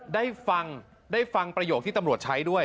ได้ฟังประโยคที่ตำรวจใช้ด้วย